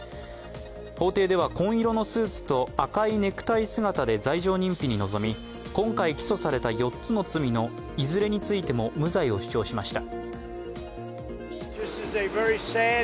法廷では紺色のスーツと赤いネクタイ姿で罪状認否に臨み、今回起訴された４つの罪のいずれについても無罪を主張しました。